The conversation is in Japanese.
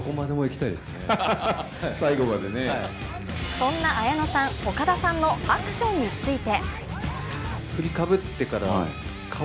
そんな綾野さん、岡田さんのアクションについて。